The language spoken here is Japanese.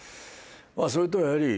まあそれとやはり。